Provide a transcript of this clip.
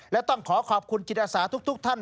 และต้องขอขอบคุณจิตอาสาทุกท่าน